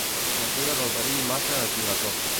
La cura del verí mata a qui la toca.